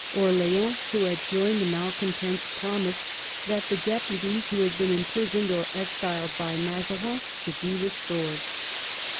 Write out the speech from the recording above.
Orleans, who had joined the malcontents, promised that the deputies who had been imprisoned or exiled by Mazarin should be restored.